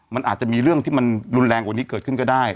มันอาจจะมีเรื่องที่มันรุนแรงกว่านี้เกิดขึ้นก็ได้